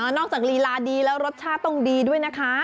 จากลีลาดีแล้วรสชาติต้องดีด้วยนะคะ